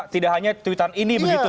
tidak hanya tweetan ini begitu